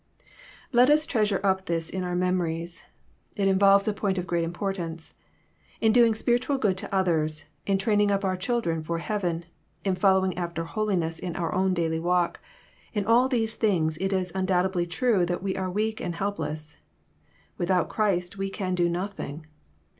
Let us treasure up this in our memories. It involves a point of great importance. In doing spiritual good to others, — in training up oor children for heaven, — in follow ing after holiness in our own daily walk, — in all these things it is undoubtedly true that we are weak and help less. ^^ Without Christ we can do nothing."